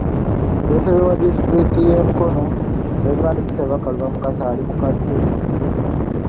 Ssentebe wa disitulikiti y’e Mukono, Rev.Peter Bakaluba Mukasa ali mu kattu.